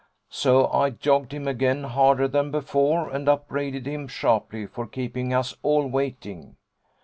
So I jogged him again harder than before and upbraided him sharply for keeping us all waiting.